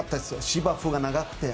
芝生が長くて。